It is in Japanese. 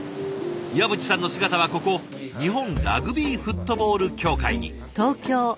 岩渕さんの姿はここ日本ラグビーフットボール協会に。